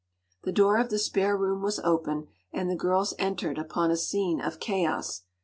The door of the spare room was open, and the girls entered upon a scene of chaos.